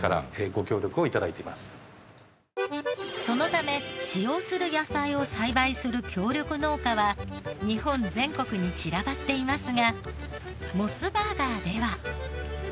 そのため使用する野菜を栽培する協力農家は日本全国に散らばっていますがモスバーガーでは。